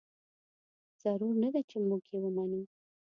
ضرور نه ده چې موږ یې ومنو.